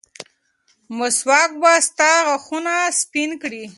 مسواک به ستا غاښونه سپین کړي.